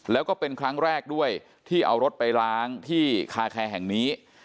แล้วก็เป็นครั้งแรกด้วยที่เอารถไปล้างที่คาแคร์แห่งนี้